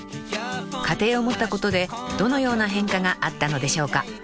［家庭を持ったことでどのような変化があったのでしょうか］